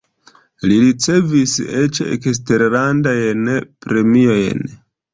Li ricevis eĉ eksterlandajn premiojn.